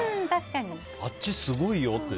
あっちすごいよって。